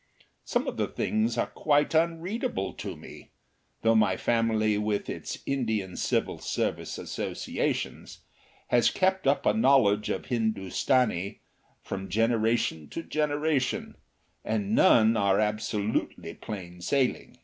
Some of the things are quite unreadable to me though my family, with its Indian Civil Service associations, has kept up a knowledge of Hindustani from generation to generation and none are absolutely plain sailing.